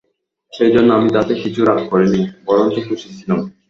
সেইজন্যেই আমি তাতে কিছুই রাগ করি নি, বরঞ্চ খুশিই ছিলুম।